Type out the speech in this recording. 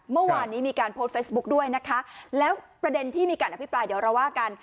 เมื่อวานนี้มีการโพสต์เฟซบุ๊กด้วยนะคะแล้วประเด็นที่มีการอภิปรายเดี๋ยวเราว่ากัน